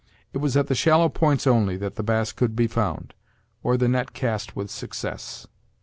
It was at the shallow points only that the bass could be found, or the net cast with success.